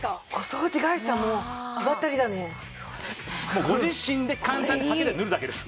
もうご自身で簡単にハケで塗るだけです。